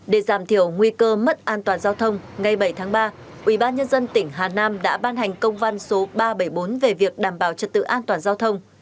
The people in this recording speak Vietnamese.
để giảm thiểu nguy cơ mất an toàn giao thông ngày bảy tháng ba ubnd tỉnh hà nam đã ban hành công văn số ba trăm bảy mươi bốn về việc đảm bảo trật tự an toàn giao thông